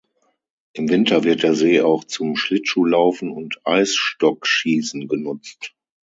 Im Winter wird der See auch zum Schlittschuhlaufen und Eisstockschießen genutzt.